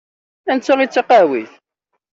Anta i d taqehwit?